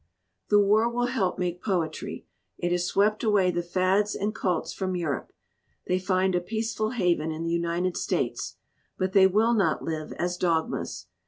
"The war will help make poetry. It has swept away the fads and cults from Europe; they find a peaceful haven in the United States, but they will not live as dogmas.